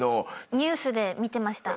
ニュースで見てました。